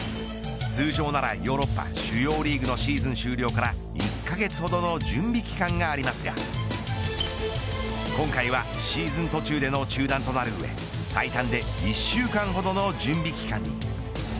通常ならヨーロッパ主要リーグのシーズン終了から１カ月ほどの準備期間がありますが今回はシーズン途中での中断となる上最短で１週間ほどの準備期間。